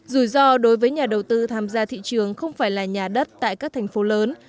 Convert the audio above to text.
rủi ro đối với nhà đầu tư tham gia thị trường không phải là nhà đất tại các thành phố lớn